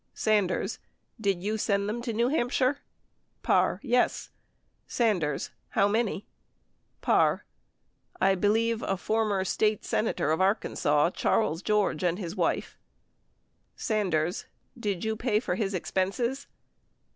Sanders. Did you send them to New Hampshire ? Parr. Yes. Sanders. How many ? Parr. I believe a former State senator of Arkansas, Charles George, and his wife. ...Sanders. Did you pay for his expenses